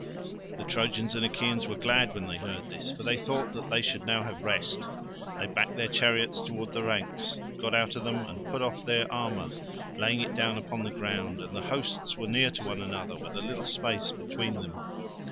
The Trojans and Achaeans were glad when they heard this, for they thought that they should now have rest. They backed their chariots toward the ranks, got out of them, and put off their armour, laying it down upon the ground; and the hosts were near to one another with a little space between them.